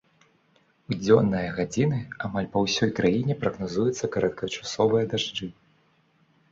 У дзённыя гадзіны амаль па ўсёй краіне прагназуюцца кароткачасовыя дажджы.